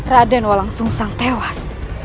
raden walang sum sang tewas